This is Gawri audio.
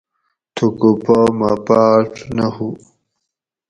تھُکو پا مہ پاۤڄ نہ ہُو